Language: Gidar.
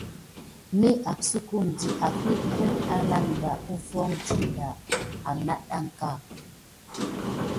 Mopsukdi ahiku anaɗa uvon ɗiɗa á naɗa di.